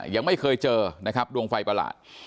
ยังไม่เคยเจอนะครับดวงไฟประหลาด